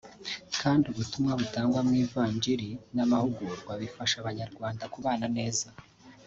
kandi ubutumwa butangwa mu ivanjili n’amahugurwa bifasha Abanyarwanda kubana neza